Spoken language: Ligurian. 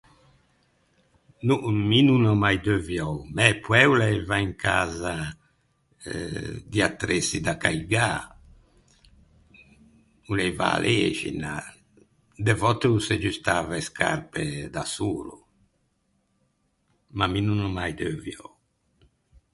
No, mi no n’ò mai deuviou. Mæ poæ o l’aiva in casa di attressi da caigâ, o l’aiva a læxina. De vòtte o s’aggiustava e scarpe da solo, ma mi no n’ò mai deuviou.